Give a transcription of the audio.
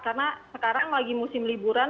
karena sekarang lagi musim liburan